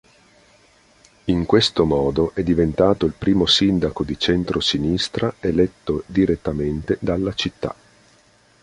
In questo modo è diventato il primo Sindaco di centrosinistra eletto direttamente dalla città.